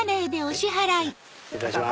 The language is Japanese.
失礼いたします。